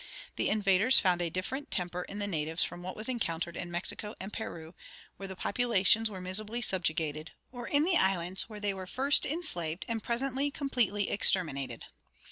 The invaders found a different temper in the natives from what was encountered in Mexico and Peru, where the populations were miserably subjugated, or in the islands, where they were first enslaved and presently completely exterminated.